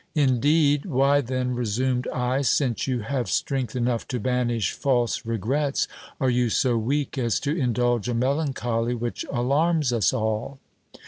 Indeed ! why then, resumed I, since you have strength enough to banish false regrets, are you so weak as to indulge a melancholy which alarms us all